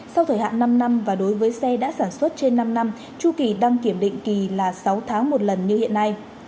sau thời hạn năm năm và đối với xe đã sản xuất trên năm năm chu kỳ đăng kiểm định kỳ là sáu tháng một lần như hiện nay